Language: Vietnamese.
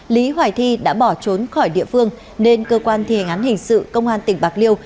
lý hoài thi đã bỏ trốn khỏi địa phương nên cơ quan thi hành án hình sự công an tỉnh bạc liêu